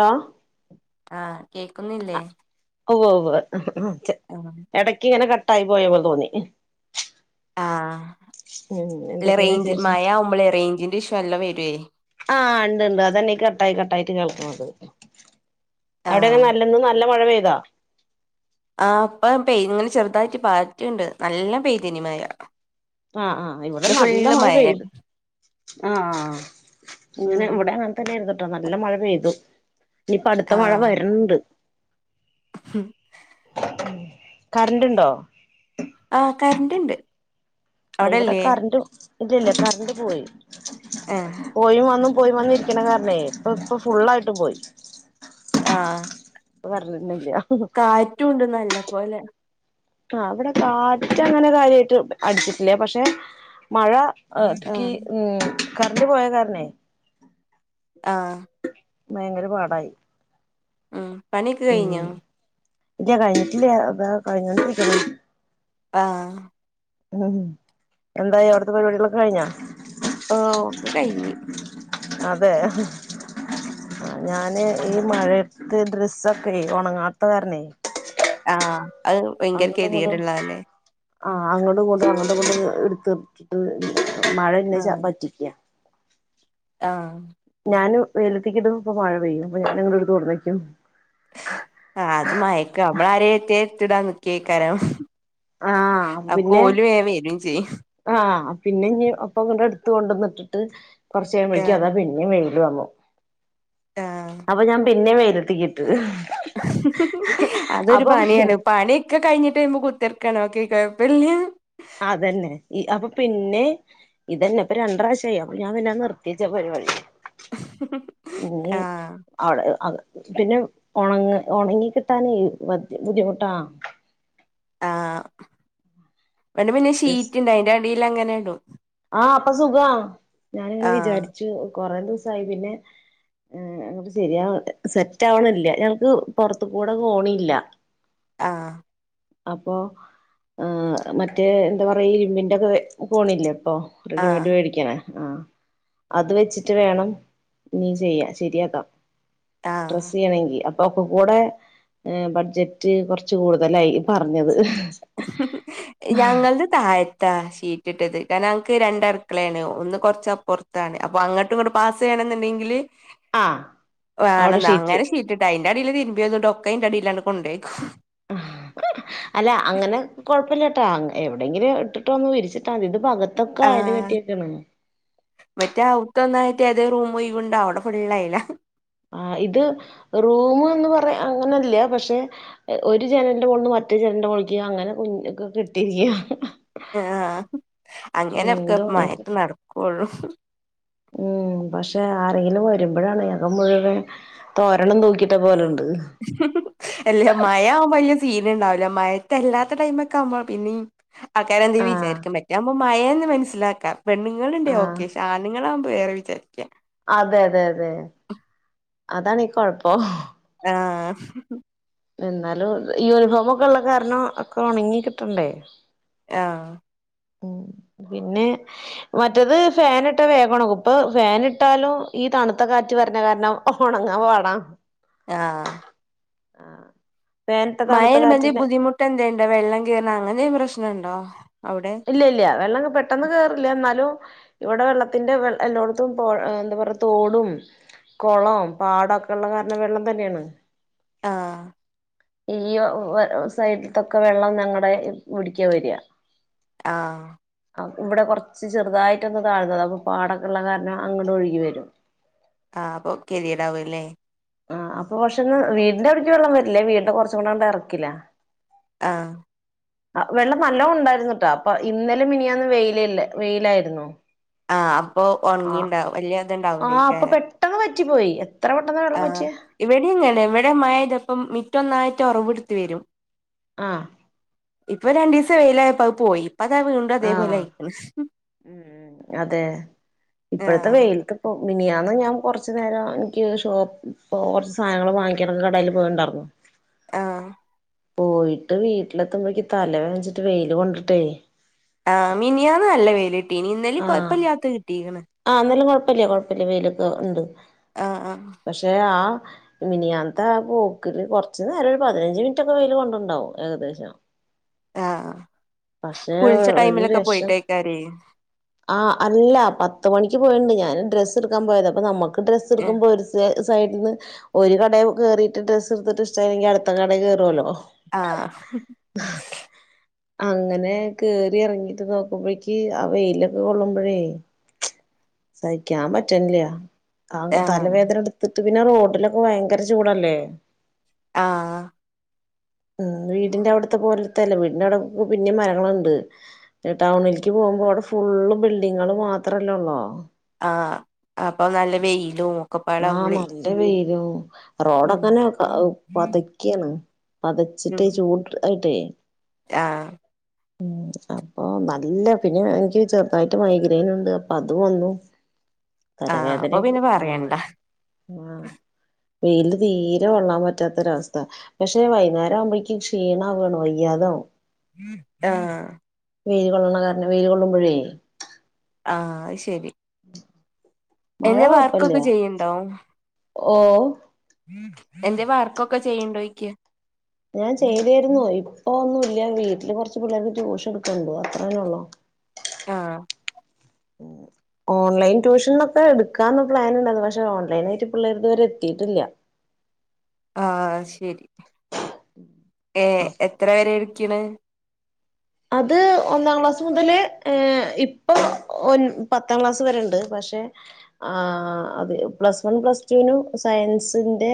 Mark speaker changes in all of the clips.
Speaker 1: Hello
Speaker 2: ആഹ് കേക്കുന്നില്ലേ
Speaker 1: ഉവ്വ് ഉവ്വ് ഒക്കെ
Speaker 2: ആഹ്
Speaker 1: എടയ്ക്ക് ഇങ്ങനെ കട്ടായി പോയപോലെ തോന്നി
Speaker 2: ആഹ്
Speaker 1: ഉം
Speaker 2: ല്ല
Speaker 1: എന്തൊക്കെയാണ്
Speaker 2: റേഞ്ച്
Speaker 1: വിശേഷം
Speaker 2: മഴ ആവുമ്പോളേ റേഞ്ചിന്റെ ഇഷ്യൂ നല്ലോം വരുവേ
Speaker 1: ആഹ് ണ്ട് ണ്ട് അതന്നെ കട്ടായി കട്ടായിട്ട് കേൾക്കുന്നത് അവിടെക്കെ
Speaker 2: ആഹ്
Speaker 1: നല്ല ഇന്ന് നല്ല മഴ പെയ്താ
Speaker 2: ആഹ് പ്പം പെയ് ഇങ്ങനെ ചെറുതായിട്ട് പാറ്റിണ്ട് നല്ലം പെയ്തിനി മഴ
Speaker 1: ആഹ് ആഹ് ഇവിടെ
Speaker 2: ഇന്ന്
Speaker 1: നല്ല
Speaker 2: ഫുള്ള്
Speaker 1: മഴ പെയ്ത്
Speaker 2: മഴയാണ്
Speaker 1: ആഹ് ഇങ്ങനെ ഇവിടെ തന്നേര്ന്നുട്ടോ നല്ല മഴ പെയ്തു ഇനിപ്പ അടുത്ത മഴ വരണ്ട്
Speaker 2: ഉം
Speaker 1: കറന്റ്
Speaker 2: ആഹ് കറന്റ്ണ്ട് അവിടെല്ലേ
Speaker 1: ണ്ടോ ഇല്ല ഇല്ല കറന്റ് പോയി
Speaker 2: ഏഹ്
Speaker 1: പോയിം വന്നും പോയിം വന്നിരിക്കണ കാരണേ ഇപ്പ ഇപ്പൊ ഫുള്ളായിട്ട് പോയി
Speaker 2: ആഹ്
Speaker 1: പ്പ വരണെന്നില്യ
Speaker 2: കാറ്റുണ്ട് നല്ലപോലെ
Speaker 1: ആഹ് ഇവിടെ കാറ്റ് അങ്ങനെ കാര്യായിട്ട് അടിച്ചിട്ടില്ല പക്ഷെ മഴ ആഹ് ക്കി ഉം കറന്റ് പോയ കാരണേ
Speaker 2: ആഹ്
Speaker 1: ഭയങ്കര പാടായി
Speaker 2: ഉംപണിയൊക്കെ കയിഞ്ഞോ
Speaker 1: ഇല്യ കഴിഞ്ഞിട്ടില്ല്യ ദ കഴിഞ്ഞോണ്ടിരിക്കുന്നു
Speaker 2: ആഹ്
Speaker 1: ഉംഎന്തായി അവിടത്തെ പരിപാടികളൊക്കെ കഴിഞ്ഞ
Speaker 2: ഓഹ് ഒക്കെ കഴിഞ്ഞി
Speaker 1: അതെ ഞാന് ഈ മഴത്ത് ഡ്രസ്സൊക്കെ ഉണങ്ങാത്ത കാരണേ
Speaker 2: ആഹ് അത് വയങ്കര
Speaker 1: അങ്ങോട്ടും ഇങ്ങോട്ടും
Speaker 2: കെദിയേട്ള്ളതാല്ലേ
Speaker 1: ആഹ് അങ്ങടും ഇങ്ങടും അങ്ങട്ടും ഇങ്ങടും ഇട്ത്തിട്ടിട്ട് മഴ ന്നെ ച പറ്റിക്ക്യ
Speaker 2: അഹ
Speaker 1: ഞാന് വെയിലത്തിക്കിടും ഇപ്പം മഴ പെയ്യും അപ്പ ഞാൻ ഇങ്ങടെടുത്ത കൊടുന്നെക്കും.
Speaker 2: ആ അത് മയക്ക് അമ്മളാരെ എത്തിയാ എട്ത്തിടാൻ നിക്കേയ്ക്കാരം
Speaker 1: ആ പിന്നെ
Speaker 2: വരും ചെയ്യും
Speaker 1: ആ പിന്നെ ഇനി ഒപ്പങ്ങട് എടുത്ത് കൊണ്ടന്നിട്ടിട്ട് കുറച്ച കഴിയുമ്പോഴേക്ക്
Speaker 2: ആഹ്
Speaker 1: അതാ പി പിന്നെ വെയില് വന്നു
Speaker 2: ആഹ്
Speaker 1: അപ്പൊ ഞാൻ പിന്നെ വെയിലെത്തിക്കിട്ടു
Speaker 2: അതൊരു പണിയാണ് പണി ഇക്കെ കഴിഞ്ഞട്ട് അയ്മെ കുത്തിർക്കാനൊക്കെ കൊഴപ്പല്ല
Speaker 1: അതന്നെ ഈ അപ്പൊ പിന്നെ ഇതെന്നെ ഇപ്പൊ രണ്ട്റാഷായി അപ്പൊ ഞാൻ പിന്നെ നിർത്തിച്ച് ആ പരിപാടി ഇനി
Speaker 2: ആഹ്
Speaker 1: അവിടെ പിന്നെ ഉണങ്ങ ഉണങ്ങി കിട്ടാനേ ബുദ്ധിമുട്ടാ
Speaker 2: ആ ഇവിടെ പിന്നെ ഷീറ്റ്ണ്ട് അയ്ന്റെ അടില് അങ്ങനെ ഇടും
Speaker 1: ആ അപ്പൊ സുഖാ ഞാനിങ്ങനെ
Speaker 2: ആഹ്
Speaker 1: വിചാരിച്ചു കൊറെ ദിവസയി പിന്നെ അങ്ങട്ട് ശരിയാ സെറ്റ് ആവണില്ല ഞങ്ങൾക്ക് പുറത്ത് കൂടെ കോണില്ല [inaudible]
Speaker 2: ആഹ
Speaker 1: അപ്പോ മറ്റേ എന്താ പറയ ഇരുമ്പിന്റെ ഒക്കെ കോണില്ലേ പ്പൊ
Speaker 2: ആഹ്
Speaker 1: റെഡിമെയഡ് വേടിക്കണേ ആ അത് വെച്ചിട്ട് വേണം ഇനീം ചെയ്യാ ശരിയാക്കാം.
Speaker 2: ആഹ്
Speaker 1: ഡ്രസ്സ്‌ ചെയ്യണെങ്കി, അ ഒക്കെ കൂടെ ഏ ബഡ്ജറ്റ് കൊറച്ച് കൂടുതലായി പറഞ്ഞത്
Speaker 2: ഞങ്ങൾത് താഴത്താ ഷീറ്റിട്ടത്, കാരണം ഞങ്ങക്ക് രണ്ടടുക്കളേണ് ഒന്ന് കൊറച്ചപ്പൊറ ത്താണ്. അപ്പൊ അങ്ങട്ടും ഇങ്ങട്ടും പാസ് ചെയ്യണെന്നുണ്ടെങ്കില്
Speaker 1: ആഹ് അവിടെ
Speaker 2: വേണന്ന്
Speaker 1: ഷീറ്റ്
Speaker 2: അങ്ങനെ ഷീറ്റി ട്ട്, അയിന്റെ അടീല് തിരുമ്പിയത്ണ്ട് ഒക്കെ അയിൻ്റെ അടീലണ്ട് കൊണ്ടേക്കും.
Speaker 1: അല്ല അങ്ങനെ കൊ പ്പല്ല്യട്ടാ അങ് എവിടെയെങ്കിലും ഇട്ടിട്ട് ഒന്ന് വിരിച്ചിട്ടാ മതി ഇത്പ്പൊ അകത്തൊക്കെ അയല്
Speaker 2: ആഹ്
Speaker 1: കെട്ടിയേക്കാണ്.
Speaker 2: മറ്റേ അവ്ത്ത ഒന്നായിട്ട് ഏതേ റൂമ് ഒഴിവ്ണ്ടോ അവിടെ ഫുള്ള് അയ്ലാ.
Speaker 1: ആഹ്, ഇത് റൂമ് എന്ന് പറയാ അങ്ങനെല്ല്യ. പക്ഷെ എ ഒരു ജനലിന്റെ മോളിന്ന് മറ്റെ ജനലിന്റെ മോളിക്ക് അങ്ങനെ കു ഒക്കെ കെട്ടിയിരിക്കയ
Speaker 2: ആഹ്, അങ്ങനൊക്കെ
Speaker 1: ഇത് ഒണങ്ങി
Speaker 2: മയേത്ത്
Speaker 1: കിട്ടാൻ
Speaker 2: നടക്കൊള്ളു.
Speaker 1: ഉം, പക്ഷെ ആരെങ്കിലും വരുമ്പോഴാണ് അകം മുഴുവൻ തോരണം തൂക്കിട്ട പോലെണ്ട്.
Speaker 2: അല്ലെ മയ ആവുമ്പോ വലിയ സീന് ഉണ്ടാവുല, മയത്ത് അല്ലാത്ത ടൈമ് ഒക്കെ ആവുമ്പോ പിന്നിം ആൾകാര് എന്തേ
Speaker 1: ആഹ്
Speaker 2: വിചാരിക്കും മറ്റേ ആവുമ്പോ മയാന്ന് മനസ്സിലാക്ക, പെണ്ണുങ്ങളുണ്ടെ
Speaker 1: ആഹ്
Speaker 2: ഓക്കെ ക്ഷെ ആണുങ്ങളാവുമ്പോ വേറെ വിചാരിക്ക
Speaker 1: അതെ അതെ അതെ അതാണീ കൊഴപ്പം.
Speaker 2: ആഹ്
Speaker 1: എന്നാലും യൂണിഫോമൊക്കെ ഉള്ള കാരണം ഒക്കെ ഒണങ്ങി കിട്ടണ്ടേ.
Speaker 2: യാഹ്
Speaker 1: ഓം പിന്നെ മറ്റേത് ഫാന് ഇട്ടാ വേഗം ഒണങ്ങും. ഇപ്പൊ ഫാനിട്ടാലും ഈ തണുത്ത കാറ്റ് വരണേ കാരണം ഒണങ്ങാ പാടാ
Speaker 2: ആഹ്
Speaker 1: ആഹ്, ഫേന്ട്ട തണുത്ത കാറ്റിന്
Speaker 2: ട്ട് എന്തെണ്ടോ വെള്ളം കേറണെ അങ്ങനെയും പ്രശ്നണ്ടോ, അവിടെ?
Speaker 1: ഇല്ല ഇല്ല വെള്ളം അങ്ങ പെട്ടെന്ന് കേറില്ല. എന്നാലും ഇവിടെ വെള്ളത്തിന്റെ വെ എല്ലോട്ത്തും പൊ എന്താ പറയ തോടും കൊളൊം പാടൊക്കെ ഉള്ള കാരണം വെള്ളം തന്നെയാണ്.
Speaker 2: ആഹ്
Speaker 1: ഈ [unintelligible] സൈഡിൽത്തൊക്കെ വെള്ളം ഞങ്ങടെ [unintelligible] വീട്ടിക്ക വര
Speaker 2: ആഹ്
Speaker 1: അ ഇവിടെ കൊറച്ച് ചെറുതായിട്ടൊന്ന് താഴ്ന്നതാ അപ്പൊ പാടൊക്കെ ഉള്ള കാരണം അങ്ങട്ട ഒഴുകി വരും
Speaker 2: ആഹ് അപ്പൊ കെതിയെടാവും അല്ലേ
Speaker 1: ആഹ്, അപ്പൊ പക്ഷെ ഒന്ന് വീടിൻന്റെ അവിടക്ക് വെള്ളം വര്ല്ല. വീടിന്റെ കൊറച്ചും കൂടെ ആണ്ട് എറക്കിലാ.
Speaker 2: ആഹ്
Speaker 1: ആ, വെള്ളം നല്ലോം ഉണ്ടായിരുന്നുട്ടോ. അപ്പൊ ഇന്നലിം മിനിയാന്നും വെയിലല്ലേ വെയിലായിരുന്നു.
Speaker 2: ആഹ്, അപ്പൊ
Speaker 1: ആഹ്
Speaker 2: ഒണങ്ങിണ്ടാവും [unintelligible]
Speaker 1: ആഹ്, അപ്പൊ പെട്ടെന്ന് വറ്റിപ്പോയി, എത്ര പെട്ടെന്നാ വെള്ളം വറ്റിയ
Speaker 2: ഇവിടീംങ്ങനെ ഇവിടെ മഴയ്താപ്പം മിറ്റൊന്നായിട്ട് ഒറവ്ട്ത്ത് വരും.
Speaker 1: ആഹ്
Speaker 2: ഇപ്പൊ രണ്ടീസം വെയിലായപ്പോ അത് പോയി. ഇപ്പതാ വീണ്ടും അതേപോലെ
Speaker 1: ആഹ്,
Speaker 2: ആയിക്ക്ണ്
Speaker 1: ഉം ഉം അതെ ഇപ്പഴത്തെ
Speaker 2: ആഹ്
Speaker 1: വെയിൽക്ക് ഓ! മിനിയാന്ന് ഞാൻ കുറച്ച് നേരം എനിക്ക് ഷോപ്പ് ഇപ്പോ കൊറച്ച് സാധനങ്ങളൊക്കെ വാങ്ങിക്കനൊക്കെ കടയിൽ പോയിണ്ടായിരുന്നു.
Speaker 2: ആഹ്
Speaker 1: പോയിട്ട് വീട്ടിലെത്തുമ്പോഴക്ക് തലവേദനിച്ചിട്ട് വെയിൽ കൊണ്ടിട്ടേയ്
Speaker 2: ആഹ്, മിനിയാന്ന് നല്ല വെയില് കിട്ടീനി. ഇന്നലിം
Speaker 1: ആഹ്
Speaker 2: കൊഴപ്പല്ലാത്തത് കിട്ടീക്ക്ണ്
Speaker 1: ആഹ്, ഇന്നലെ കൊഴപ്പല്ല കൊഴപ്പല്ല വെയിലൊക്കെ ഉണ്ട്.
Speaker 2: ആഹ് ആഹ്
Speaker 1: പക്ഷെ ആഹ് മിനിയാത്തെ ആ പോക്കില് കുറച്ച് നേരം ഒരു പതിനഞ്ച് മിനിറ്റ് ഒക്കെ വെയിൽ കൊണ്ടുണ്ടാവും ഏകദേശം
Speaker 2: ആഹ്
Speaker 1: പക്ഷേ
Speaker 2: കുളിച്ച
Speaker 1: ഒരു
Speaker 2: ടൈമിലൊക്കെ
Speaker 1: രക്ഷം
Speaker 2: പോയിട്ടേക്കാരെ
Speaker 1: ആഹ് അല്ല പത്ത് മണിക്ക് പോയിണ്ട് ഞാൻ ഡ്രസ്സ് എടുക്കാൻ പോയത് അപ്പൊ നമ്മുക്ക് ഡ്രസ്സ്
Speaker 2: ആഹ്
Speaker 1: എടുക്കുമ്പോ ഒരു സൈഡിൽ നിന്ന് ഒരു കട കേറിയിട്ട് ഡ്രസ്സ് എടുത്തിട്ട് ഇഷ്ടയില്ലെങ്കിൽ അടുത്ത കട കേറുവല്ലോ
Speaker 2: ആഹ്
Speaker 1: ഹ് അങ്ങനെ കേറി ഇറങ്ങിട്ട് നോക്കുമ്പഴേക്ക് ആ വെയിലൊക്കെ കൊള്ളുമ്പോഴേ സഹിക്കാൻ പറ്റനില്ല ആഹ് തലവേദന എടുത്തിട്ട് പിന്നെ റോഡിലൊക്കെ ഭയങ്കര ചൂടല്ലേ
Speaker 2: ആഹ്
Speaker 1: ഉം വീടിന്റെ അവിടുത്തെ പോലത്തെല്ല വീടിന്റെ അവിടെ പിന്നെ മരങ്ങളുണ്ട് ടൗണിലേക്ക് പോകുമ്പോ അവിടെ ഫുള്ള് ബിൽഡിങ്ങൾ മാത്രല്ലേള്ളോ
Speaker 2: ആഹ് അപ്പൊ നല്ല വെയിലും
Speaker 1: ആഹ്
Speaker 2: ഒക്കെപ്പാടാവുമ്പളേ
Speaker 1: നല്ല വൈയിലും
Speaker 2: ഉം
Speaker 1: റോഡൊക്കനെ പതക്കിയണം
Speaker 2: ഉം
Speaker 1: പതച്ചിട്ട് ചൂട് ആയിട്ടേ
Speaker 2: ആഹ്
Speaker 1: [inaudible] ഉം അപ്പൊ നല്ല പിന്നെ എനിക്ക് ചെറുതായിട്ട് മൈഗ്രെയിൻ ഉണ്ട് അപ്പൊ അത് വന്നു
Speaker 2: ആഹ് അപ്പൊ
Speaker 1: തലവേദനയും
Speaker 2: പിന്നെ പറയണ്ട
Speaker 1: ആഹ് ആഹ് വെയില് തീരെ കൊള്ളാൻ പറ്റാത്തൊരവസ്ഥ പക്ഷെ വൈന്നേരം ആവുമ്പോഴേക്കും ക്ഷീണ വാണ് വയ്യാത
Speaker 2: ആഹ്
Speaker 1: വെൽ കൊള്ളണ കാരണം വെൽ കൊള്ളുമ്പോഴേ
Speaker 2: ആഹ് അഹ് ശരി
Speaker 1: മഴ
Speaker 2: എന്റൊ
Speaker 1: കൊഴപ്പല്ല
Speaker 2: വർക്കൊക്കെ ചെയ്യ്ണ്ടോ
Speaker 1: ഓഹ്
Speaker 2: എന്തേം വർക്കൊക്കെ ചെയ്യണ്ടോക്ക്
Speaker 1: ഞാൻ ചെയ്തരുന്നു ഇപ്പൊ ഇപ്പൊ ഒന്നുംല്ല വീട്ടില് കുറച്ച് പിള്ളേർക്ക് ട്യൂഷൻ എടുക്കണ്ടു അത്രേന്നേ ഉള്ളോ
Speaker 2: ആഹ്
Speaker 1: ആഹ് ഓൺലൈൻ ട്യൂഷനൊക്കെ എടുക്കാന്ന് പ്ലാന ഉണ്ടത് പക്ഷെ ഓൺലൈനായിയിട്ട് പിള്ളേർ ഇത്തുവരെ എത്തിയിട്ടില്ല.
Speaker 2: ആഹ് ശരി ഏ എത്ര വരെ ഇടുക്കണ്?
Speaker 1: അത് ഒന്നാം ക്ലാസ് മുതല് ഇപ്പൊ ഒ പത്താം ക്ലാസ് വരെണ്ട് പക്ഷെ ആഹ് അത് പ്ലസ് വൺ പ്ലസ്ടുവിനു സയൻസിന്റെ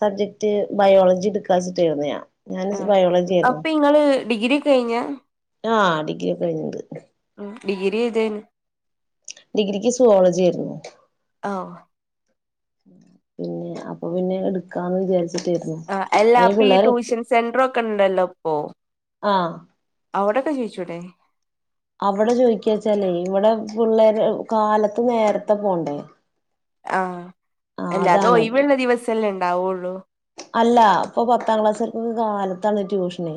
Speaker 1: സബ്ജക്ട് ബയോളജി എടുക്കാച്ചിട്ടായിരുന്നു ഞൻ ഞാൻ ബയോളജി ആയിരുന്നു
Speaker 2: നിങ്ങള് ഡിഗ്രി ക്കേ കഴിഞ്ഞ
Speaker 1: ആഹ് ഡിഗ്രി ഒക്കെ കഴിഞ്ഞിണ്ട്
Speaker 2: ഉം ഡിഗ്രഏതൈനിം
Speaker 1: ഡിഗ്രിക്ക് സുവോളജി ആയിരുന്നു.
Speaker 2: ആഹ്
Speaker 1: പിന്നെ അപ്പൊ പിന്നെ ഇടുക്കാന്ന് വിചാരിച്ചിട്ടായിരുന്നു അതിന് പിള്ളേരെ എത്തി
Speaker 2: സെന്റർക്കെ ഉണ്ടല്ലോ ഇപ്പോ?
Speaker 1: ആഹ്
Speaker 2: അവിടൊക്കെ ചൊയ്‌ച്ചുലെ?
Speaker 1: അവിടെ ചോയ്ക്കച്ചാലേ ഇവിടെ പിള്ളേര് കാലത്ത് നേരത്തെ പോണ്ടേ?
Speaker 2: ആഹ്
Speaker 1: ആഹ് അതാണ്
Speaker 2: അല്ലതെഒയിവുള്ള ദിവസല്ലേ ഉണ്ടാവുള്ളൂ.
Speaker 1: അല്ല ഇപ്പൊ പത്താം ക്ലാസ്സക്കൊക്കെ കാലത്താണ് ട്യൂഷനെ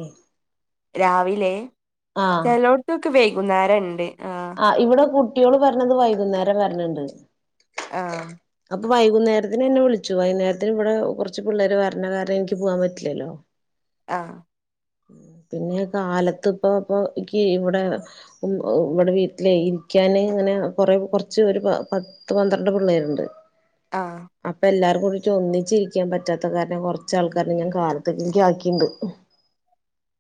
Speaker 2: രാവിലെ
Speaker 1: ആഹ്
Speaker 2: ചലോട് തൊക്കെ വൈകുന്നേരംണ്ട്.
Speaker 1: ആഹ് ഇവിടെ കുട്ടിള് പറഞ്ഞത് വൈകുന്നേരം വര്ണണ്ട്
Speaker 2: ആഹ്
Speaker 1: വൈകുന്നേരത്തിന് എന്നെ വിളിച്ചു വൈകുന്നേരത്തിന് ഇവിടെ കൊറച്ച് പിള്ളേര് വരണ കാരണം എനിക്ക് പോവാൻ പറ്റില്ലല്ലോ?
Speaker 2: ആ
Speaker 1: പിന്നെ കാലത്ത് ഇപ്പോ ഇപ്പോൾക്ക് ഇവിടെ ഇവടെ വീട്ടില ഇരിക്കൻ അങ്ങനെ കുറ കുറച്ച് ഒരു പ പത്ത് പന്ത്രണ്ട് പിള്ളേരുണ്ട്.
Speaker 2: ആഹ
Speaker 1: അപ്പൊ എല്ലാരും കൂടിട്ട ഒന്നിച്ചിരിക്കാൻ പറ്റാത്ത കാരന കുറച്ചാൾക്കാരെ ഞാൻ കാലത്തക്കേക്ക് ആക്കിണ്ട്.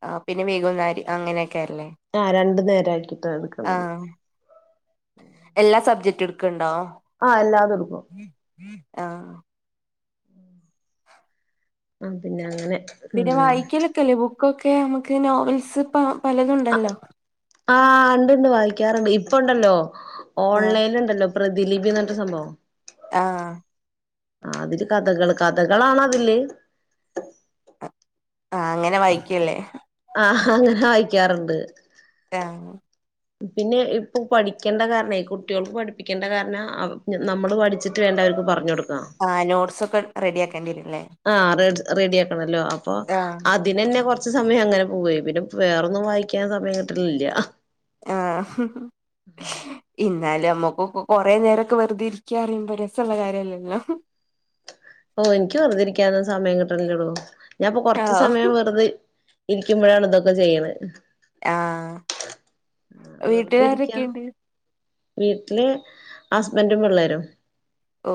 Speaker 2: ആ പിന്നെ വേകുന്നാരി അങ്ങനെ യ്കാരഅല്ലേ?
Speaker 1: ആ രണ്ടു നേര ആയിട്ട്.
Speaker 2: ആഹ എല്ലാ സബ്ജക്ട് ഇടുക്ക്ണ്ടോ?
Speaker 1: ആഹ് എല്ലാത്ടുക്കും
Speaker 2: ആഹ
Speaker 1: ആ പിന്നെ അങ്ങനെ
Speaker 2: പിന്നെ
Speaker 1: ഉം
Speaker 2: വായിക്കലൊക്കെല്ലേ ബുക്കൊക്കെ നമുക്ക് നോവൽസ് പലതുണ്ടല്ലോ?
Speaker 1: ആഹ് ഉണ്ടണ്ട് വായിക്കാറുണ്ട് ഇപ്പ ഉണ്ടല്ലോ
Speaker 2: ആഹ്
Speaker 1: ഓൺലൈനൽ ഉണ്ടല്ലോ? പ്രതിലിബി പറഞ്ഞിട്ടരു സംഭവം.
Speaker 2: ആഹ
Speaker 1: ആ അതില് കഥകള് കഥകളാണ അതില്
Speaker 2: ആഹ അങ്ങനെ വായിക്കല്
Speaker 1: ആ അങ്ങനെ വായിക്കാറുണ്ട്
Speaker 2: ആ
Speaker 1: പിന്നെ ഇപ്പൊ പഠിക്കേണ്ട കാരണ കുട്ടികൾക്ക് പഠിപ്പിക്കേണ്ട കാരണം നമ്മള് പഠിച്ചിട്ട വേണ്ട അവർക്ക് പറഞ്ഞുക കൊടുക്കാ
Speaker 2: ആ നോട്ടസ് ഒക്കെ റെഡി ആക്കേണ്ടിവരുല്ലേ?
Speaker 1: ആ ഡ റെഡി ആക്കണല്ലോ അപ്പൊ അ
Speaker 2: ആഹ്
Speaker 1: അതിനന്നെ കുറച്ച സമയം അങ്ങനെ പോവായി പിന്നെ വേറൊന്നും വായിക്കാൻ സമം കിട്ടലില്ല
Speaker 2: ആഹ ഇന്നാല് നമ്മുക്ക് കൊറെ നേരക്കെ വെറുതെ ഇരിക്കാ പറിയുമ്പോ രസള്ള കാര്യല്ലല്ലോ?
Speaker 1: ഓ എനിക്ക് വെറുതി ഇരിക്കുന്ന സമയം കിട്ടല്ലടോ ഞാൻപ്പൊ കൊറച്ച
Speaker 2: ആഹ്
Speaker 1: സമയം വെറുതെ ഇരിക്കുമ്പോഴാണ് ഇതൊക്കെ ചെയ്യണ
Speaker 2: ആഹ്
Speaker 1: ആ വെറുതെ ഇരിക്കാ - -
Speaker 2: വീട്ടിലാരൊക്കെയുണ്ട്
Speaker 1: വീട്ടില് ഹസ്ബൻഡും പിള്ളേരും
Speaker 2: ഓ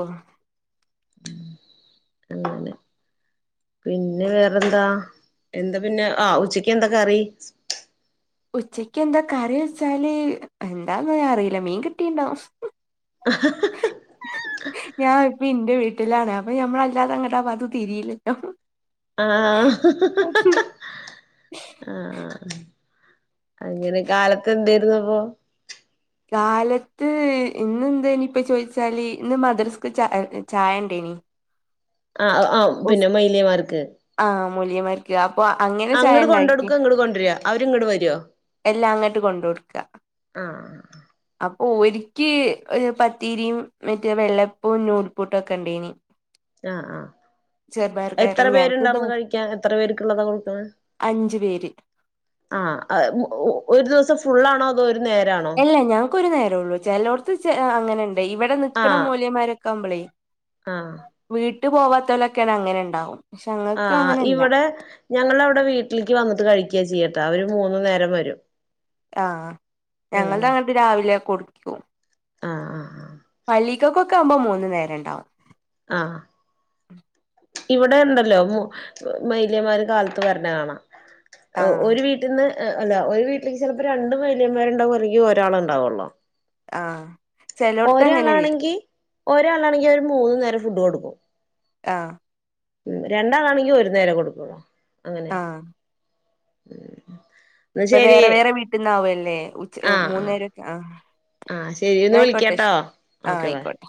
Speaker 1: തന്ന തന്നെ [inaudible] പിന്നെ വേറെന്താ എന്താ പിന്നെ ആ ഉച്ചക്ക് എന്താ കറി
Speaker 2: ഉച്ചക്ക് എന്താ കറി വെച്ചാല് എന്താന്നൊന്നും ഞാൻ അറിയില്ല മീൻ കിട്ടിട്ടുണ്ടാവും
Speaker 1: അഹ്
Speaker 2: ഞാൻ ഇപ്പ എന്റെ വീട്ടിലാണ് അപ്പൊ ഞമ്മള അല്ലാതെ അങ്ങോട്ടാ അത് തിരിയില്
Speaker 1: ആഹ ഹ ഹ ആഹ അങ്ങനെ കാലത്ത് എന്തായിരുന്നു അപ്പൊ
Speaker 2: കാലത്ത് ഇന്ന് എന്തായിരുന്നു ഇപ്പ ചോദിച്ചാല് ഇന്ന് മദ്രസ്ക്ക് ചായ ചായ ഉണ്ടേനി
Speaker 1: ആ ആ പിന്നെ മയിലിയമാർക്ക്
Speaker 2: ആ മ മുലിമയ്ക്കു അപ്പൊ അങ്ങനെ ചായ ഉണ്ടാക്കി
Speaker 1: കൊണ്ടുവരുക അവരിങ്ങട് വരുവോ
Speaker 2: എല്ല അങ്ങോട്ട് കൊണ്ട് കൊടുക്ക
Speaker 1: [inaudible]
Speaker 2: അപ്പൊ ഒരിക്ക ഒരു പത്തിരിയും മറ്റേ വെള്ളപ്പവും നൂൽ പൂട്ടും ഒക്കെ ഉണ്ടായിന്
Speaker 1: ആഹ് ആഹ
Speaker 2: കറി
Speaker 1: എത്ര
Speaker 2: ഞങ്ങക്ക് ദോ
Speaker 1: പേരുണ്ടായിന്ന് കഴിക്കാ എത്ര പേർക്കുള്ളതാ കൊടുക്കണ
Speaker 2: അഞ്ചു പേര്
Speaker 1: ആ അത് ഒരു ദിവസം ഫുള്ളാണോ അതോ ഒരു നേരാണോ
Speaker 2: അല്ല ഞക്ക് ഒരു നേരൊള്ളു ചെലോട്ത്ത് ചെ അങ്ങനണ്ട് ഇവടെ നിക്കണ മോല്യേമാരൊക്കാമ്പളെ
Speaker 1: ആ
Speaker 2: വീട്ട് പോവാത്തോലൊക്കങ്ങനെ ണ്ടാവും
Speaker 1: ആ ഇവിടെ ഞങ്ങളവിടെ വീട്ട്ൽക്ക് വന്നിട്ട് കഴിക്ക ചെയ്യട്ടൊ അവര് മൂന്ന്നേരം വെരും
Speaker 2: ആ ഞങ്ങൾതങ്ങട്ട് രാവിലെ കൊടുക്കും
Speaker 1: ആ ആ ആ
Speaker 2: പള്ളിക്കൊക്കാവുമ്പോ മൂന്ന് നേരം ണ്ടാവും
Speaker 1: ആ ഇവിടെണ്ടല്ലോ മൊ മൊയ്ല്യേമാര് കാലത്ത് വര്ണ കാണാ
Speaker 2: ആഹ്
Speaker 1: ഒരു വീട്ടിന്ന് അല്ല ഒരു വീട്ടിന്ന് ചെൽപ്പോ രണ്ട് മോല്യാമ്മാര്ണ്ടാവും അല്ലെങ്കി ഒരാള്ണ്ടാവൊള്ളു
Speaker 2: ആ
Speaker 1: ഒരാളാണെങ്കി ഒരാളാണെങ്കി അവര് മൂന്ന് നേരം ഫുഡ് കൊടുക്കും
Speaker 2: ആ
Speaker 1: രണ്ടാളാണെങ്കി ഒരു നേരം കൊട് ക്കൊള്ളു അങ്ങനെ
Speaker 2: ആഹ്
Speaker 1: എന്നാ
Speaker 2: അപ്പൊ
Speaker 1: ശരി
Speaker 2: വേറെ വേറെ വീട്ട്ന്നാവല്ലേ ഉച്ച
Speaker 1: ആഹ് ആഹ്
Speaker 2: മൂന്നേരൊക്കെ ആ
Speaker 1: ആഹ് ശരി
Speaker 2: ന്ന
Speaker 1: ഒന്ന്
Speaker 2: അയ്ക്കോട്ടെ
Speaker 1: വിളിക്കാട്ടോ
Speaker 2: ശെരി ആ
Speaker 1: ഓക്കെ ബൈ
Speaker 2: അയ്ക്കോട്ടെ